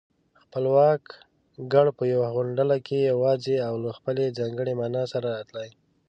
خپلواک گړ په يوه غونډله کې يواځې او له خپلې ځانګړې مانا سره راتلای